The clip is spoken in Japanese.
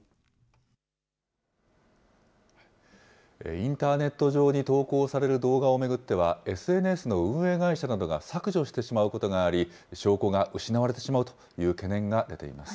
インターネット上に投稿される動画を巡っては、ＳＮＳの運営会社などが削除してしまうことがあり、証拠が失われてしまうという懸念が出ています。